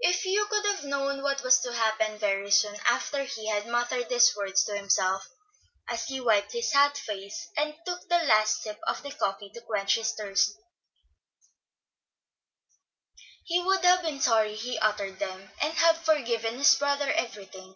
If Hugh could have known what was to happen very soon after he had muttered these words to himself, as he wiped his hot face, and took the last sip of the coffee to quench his thirst, he would have been sorry he uttered them, and have forgiven his brother everything.